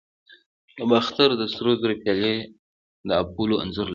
د باختر د سرو زرو پیالې د اپولو انځور لري